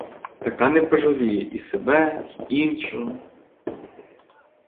Така не пожаліє і себе й іншого.